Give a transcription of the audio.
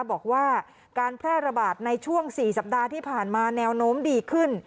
บอกว่าการแพร่ระบาดในช่วง๔สัปดาห์ที่ผ่านมาแนวโน้มดีขึ้น